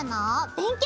勉強？